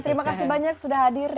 terima kasih banyak sudah hadir